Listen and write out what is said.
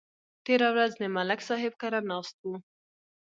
تېره ورځ د ملک صاحب کره ناست وو